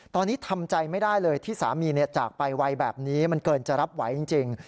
ตอนนี้ทำใจไม่ได้เลยที่สามีจากไปไวแบบนี้มันเกินจะรับไหวจริง